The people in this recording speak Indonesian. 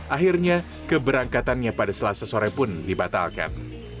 akhirnya keberangkatannya pada selasa sore pun dibatalkan